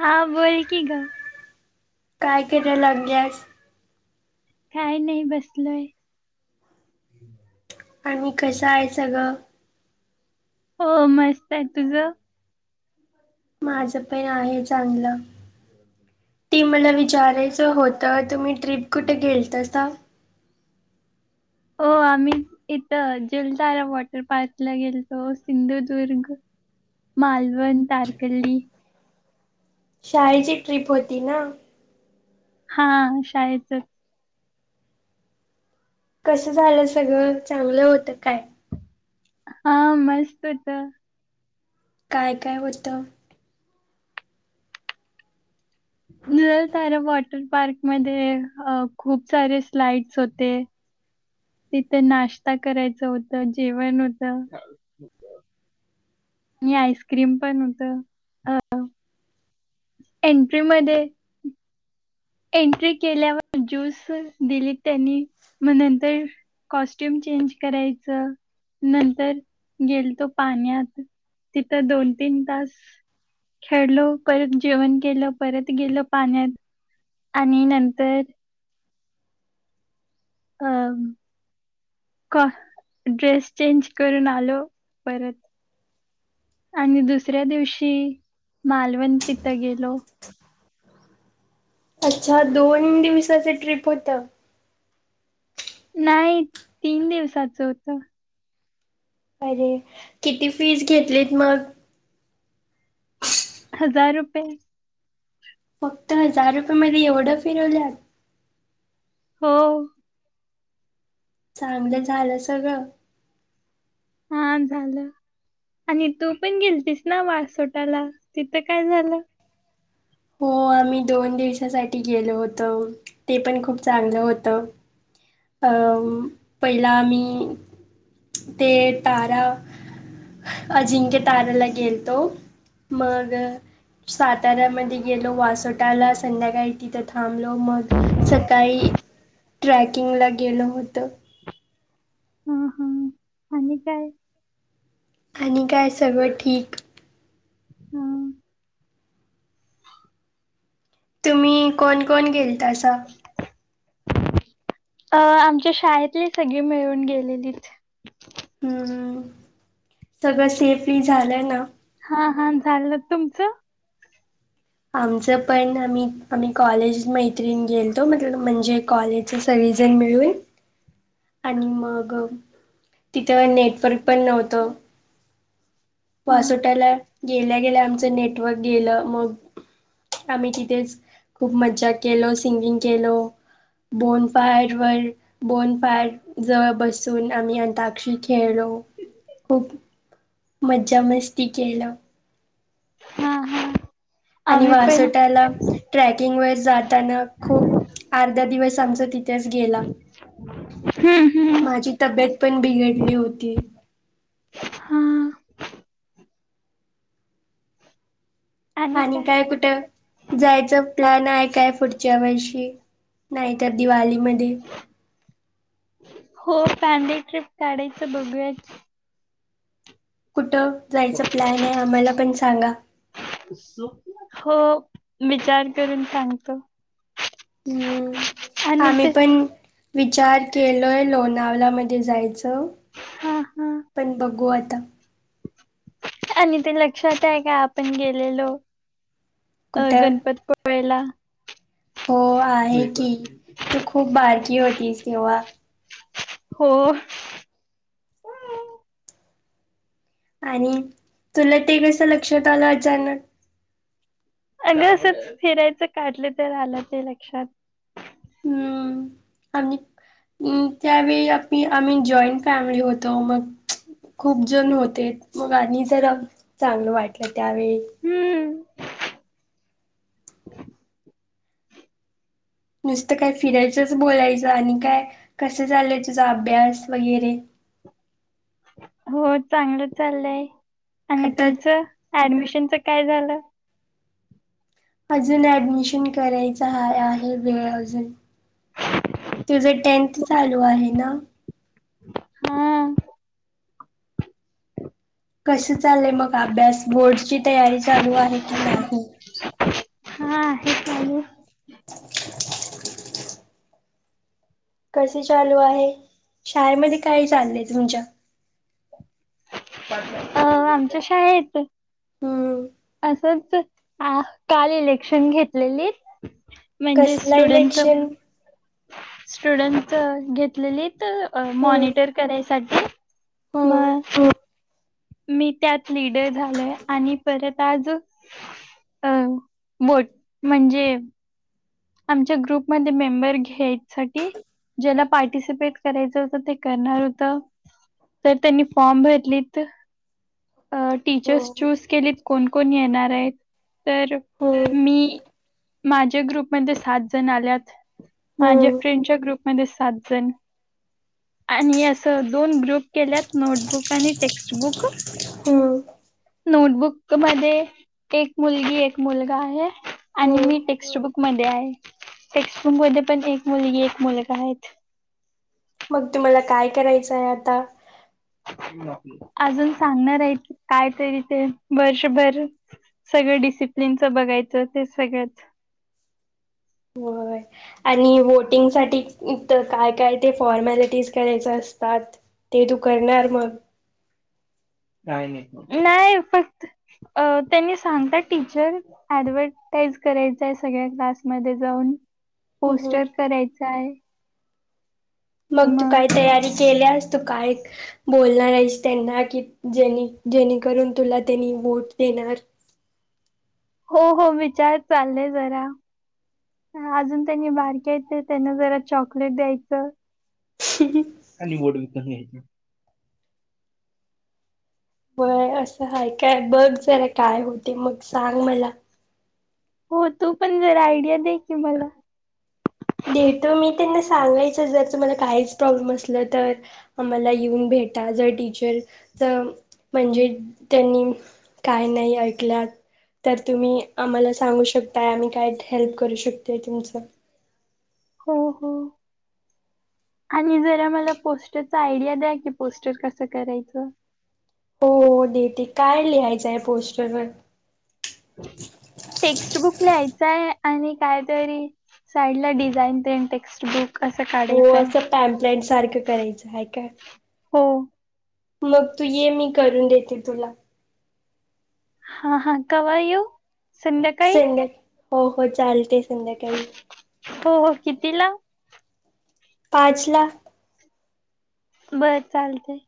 हा बोलकी गं काय केलेलं [unintelligible] काय नाही बसलोय आणि कसं आहे सगळं? हो मस्त आहे तुझं? माझं पण आहे चांगलं ती मला विचारेस होतं, तुम्ही ट्रिप कुठं गेलतासा? हो आम्ही इथं जलतारा वॉटर पार्कला गेलतो सिंधुदुर्ग मालवण, तारकल्ली शाळेची ट्रिप होती ना हा शाळेचच कसं झालं सगळं? चांगलं होतं काय हा मस्त होतं काय काय होतं? नलतारा वॉटर पार्क मध्ये खूप सारे स्लाइड्स होते तिथं नाश्ता करायचं होतं जेवण होतं? आणि आईस्क्रीम पण होतं अ एंट्री मध्ये एंट्री केल्यावर ज्यूस दिली त्यांनी, मग नंतर कॉस्ट स्ट्युम चेंज करायचं, नंतर गेलतो पाण्यात तिथं दोन तीन तास खेडलो, परत जेवण केलं, परत गेलो पाण्यात आणि नंतर हा. का, ड्रेस चेंज करून आलो परत आणि दुसऱ्या दिवशी मालवण तिथं गेलो. अच्छा, दोन दिवसाचं ट्रिप होतं? नाही, तीन दिवसाचं होतं अरे... किती फीस घेतलीत मग? हजार रुपये फक्त हजार रुपये मध्ये एवढं फिरवलं? हो चांगलं झालं सगळं? हा झालं आणि तू पण गेलतीस ना वाससोटाला, तिथं काय झालं? हो, आम्ही दोन दिवसासाठी गेलो होतो, ते पण खूप चांगलं होतं अ... पहिला मी, ते तारा अजिंक्य ताराला गेलतो मग साताऱ्यामध्ये गेलो, वासोटाला... संध्याकाळी तिथं थांबलो मग सकाळी ट्रॅकिंगला गेलो होतो हा हा आणि काय? आणि काय सगळं ठीक. हा. तुम्ही कोण कोण गेलतासा? अ आमच्या शाळेतली सगळी मिळून गेलेलीत. हम्म सगळं सेफही झालंय ना. हा हा झालं, तुमचं? आमचं पण आम्ही, आम्ही कॉलेज म त्रिण गेलतो म्हणजे कॉलेजच सगळीजण मिळून. आणि मग तिथं नेटवर्क पण नव्हतं. हा. पासोटाला गेल्या - गेल्या आमचं नेटवर्क गेलं. मग आम्ही तिथेच खूप मज्जा केलो, सिंगिंग केलो. बोन फायर वर बोन फायर जवळ बसून आम्ही अंताक्षरी खेळलो. खूप मज्जा-मस्ती केलं. हा हा आणि आम्ही पण वासोट्याला, ट्रॅकिंग वर जाताना खूप अर्धा दिवस आमचा तिथेच गेला. [unintelligible] हम्म माझी तब्येत पण बिघडली होती. हा आणि काय, कुठं जायचं प्लॅन आहे काय पुढच्या वर्षी? नाहीतर दिवाळीमध्ये. हो फॅमिली ट्रिप काढायचं बघूयाच. कुठं जायचं प्लॅन आहे आम्हाला पण सांगा हो विचार करून सांगतो हम्म आणि आम्ही ते पण विचार केलय लोणावलामध्ये जायचं हा हा पण बघू आता आणि ते लक्षात आहे का आपण गेलेलो अ कुठं गणपत पळेला हो आहे की तू खूप बारकी होतीस तेव्हा हो आणि तुला ते कस लक्षात आलं अचानक अग असंच फिरायचं काढलं तर आलं ते लक्षात हम्म त्यावेळी आम्ही जॉईंट फॅमिली होतो मग खूप जण होते मग आणि जरा चांगलं वाटलं त्यावेळी हम्म नुसतं काय फिरायचंच बोलायचं आणि काय कसं चाललंय तुझा अभ्यास वगैरे [inaudible] हो चांगलं चालंय आणि आता तुमच ऍडमिशन ते काय झालं अजून ऍडमिशन करायची आहे वेळजून तुझं टेंथ चालू आहे ना हा कस चाललय मग अभ्यास बोर्डची तयारी चालू आहे की नाही हा हे चाले आहे कसे चालू आहे शाळेमध्ये काय चाललंय तुमच्या अ आमच्याशा आहेतेत हम्म असंच काल इलेक्शन घेतलेली म्हणजे कसला स्टुडंट इलेक्शन स्टुडंट घेतलेली हम्म मॉनिटर करायसाठी म हम्म हो मी त्यात लिडर झालोय आणि परत आज अ बोट म्हणजे आमच्या ग्रुपमध्ये मेंबर घ्यायसाठी ज्याला पार्टिसिपेट करायचं होतं ते करणार होत. तर त्यांनी फॉर्म भरलीत टीचर्स हम्म चूज केलीत कोण कोण कोण येनार तर हम्म मी माझ ग्रुप मध्ये सात जण आल्यात माझ्या हम्म फ्रेंडच्या ग्रुपमध्ये सात जण. आणि असं दोन ग्रुप केल्यात नोटबुक आणि टेक्स्टबुक हम. नोटबुक मध्ये एक मुलगी एक मुलगा आहे आणि हम्म मी टेक्स्टबुक मध्ये आहे टेक्स्बुक मध्ये पण एक मुलगी एक मुलगा आहेत. मग तुम्हाला काय करायचंय आता. अजून सांगणार आहे काय तरी ते वर्षभर सगळे डिसि पिल्न च बघायचं ते सगळंच. व्हय. आणि व्होटिंगसाठी तर काय काय ते फॉर्मॅलिटीज करायच असतात. ते तू करणार मग. नाही फक्त त्यांनी सांगत टीचर ऍडवर्ड करायचा सगळ्या क्लासमध्ये जाऊन हम्म पोस्टर करायचाय. मग तू काय तयारी केल्यास तू काय? बोलणार आहेस त्यांना की जे जेणेकरून तुला त्यांनी वोट देणार. [unintelligible] हो हो विचार चाललेय जरा. ह अजून त्यांनी बारकी आहेत, तर त्यांना जरा चॉकलेट द्यायचं. आणि वोट विकत घ्यायचं. व्हय असं आहे काय बघ जरा काय होते, मग सांग मला. हो तू पण जरा आयडिया दे की मला. देतो मी त्यांना सांगायच जर तुम्हाला काहीच प्रॉब्लेम असल तर आम्हाला येऊन भेटा. घेता जर टीचरच म्हणजे त्यांनी काय नाही ऐकल्यात. तर तुम्ही आम्हाला सांगू शकताय, आम्ही काय हेल्प करू शकतोय तुमचं. हो हो. आणि जरा मला पोस्टरचा आयडिया द्या की पोस्टर कसं करायचं? हो हो देेते काय लिहायचंय पोस्टरवर? टेक्स्टबुक ल्यायच हाय. आणि कायतरी साईड ला डिझाईन तेन टेक्स्टबुक. हो असं पॅम्पलान सारखं करायचं आहे का? हो. मग तू ये मी करून देेते तुला. हा हा कवा येऊं संध्याकाळी संध्या हो हो चालतेच. हो हो किती ला? पाचला. बर चालतय.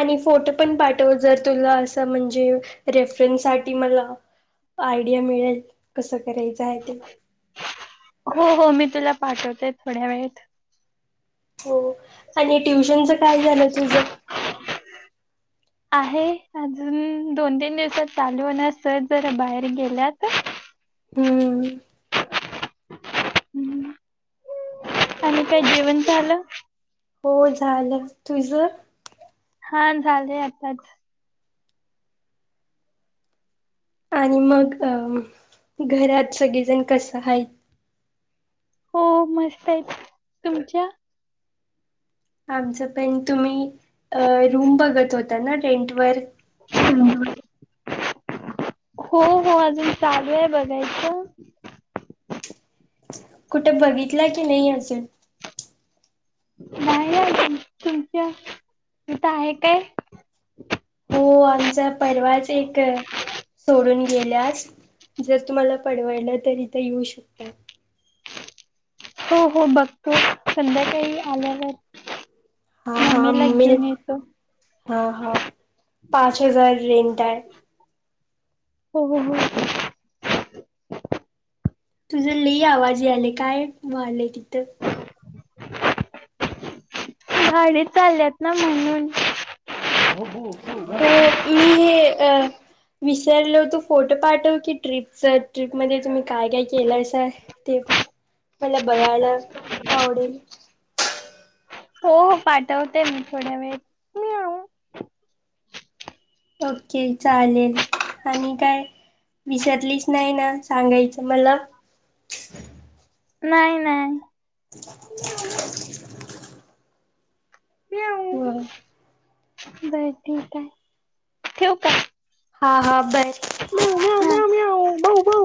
आणि फोटो पण पाठव जर तुला असं म्हणजे रेफरन्स साठी मला आयडिया मिळेल कसं करायचं आहे ते. हो हो मी तुला पाठवते थोड्या वेळेत. हो आणि ट्युशनच काय झालं तुझ? आहे अजून दोन तीन दिवसात चालू होणार, सर जरा बाहेर गेल्यात [unintelligible] हम्म [inaudible] हम् आणि काय जेवण झालं. हो झालं तुझं, हा झालेय आताच. आणि मग अं घरात सगळेजण कस आहेत. हो मस्त आहेत तुमच्या, आमचं पण तुम्ही अ रूम बघत होता. ना रेंटवर, हो हो अजून चालू आहे बघायचं. कुठे बघितला की नाही अजुन. नाही तुमच्या तिथं आहे काय, हो आमचा परवाच एक, सोडून गेल्यास जर तुम्हाला परवडलं तर इथं येऊ शकताय. हो हो बघतो संध्याकाळी आल्यावर, हा हा मम्मीला घेऊन मग, येतो. हा हा पाच हजार रेंट आहे. हो हो हो, तुझं लई आवाज यायलय काय व्हायलय तिथं. भांडी चालल्यात ना म्हणून, हो मी हे अ विचारलं. तो फोटो पाठव की ट्रिपच ट्रिपमध्ये तुम्ही काय, काय, केलायसा ते मला बघायला आवडेल. हो हो पाठवते मी थोड्या वेळ म्याऊ, ओके चालेल आणि काय विसरलीस नाही ना सांगायचं मला [inaudible] नाही नायं. [unintelligible] होय. बर ठीक हाय ठेऊ का? हा हा बय हो भाऊ भाऊ